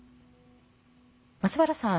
松原さん